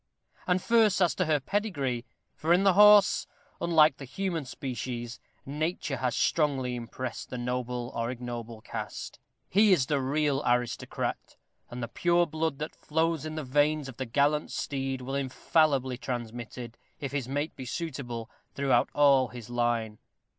And first as to her pedigree; for in the horse, unlike the human species, nature has strongly impressed the noble or ignoble caste. He is the real aristocrat, and the pure blood that flows in the veins of the gallant steed will infallibly be transmitted, if his mate be suitable, throughout all his line.